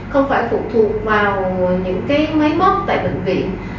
không phải phụ thuộc vào những cái máy móc tại bệnh viện